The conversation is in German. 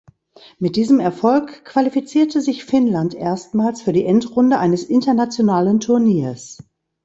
Mit diesem Erfolg qualifizierte sich Finnland erstmals für die Endrunde eines internationalen Turniers.